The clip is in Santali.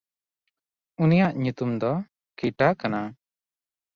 ᱩᱱᱤᱭᱟᱜ ᱧᱩᱛᱩᱢ ᱫᱚ ᱠᱤᱴᱟ ᱠᱟᱱᱟ᱾